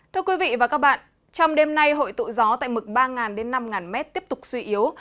thưa quý vị và các bạn trong đêm nay hội tụ gió tại mực ba năm m tiếp tục suy yếu